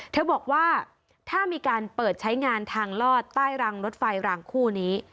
เธอบอกว่าถ้ามีการเปิดใช้งานทางลอดใต้รางรถไฟรางคู่นี้